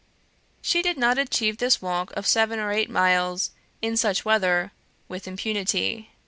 She did not achieve this walk of seven or eight miles, in such weather, with impunity.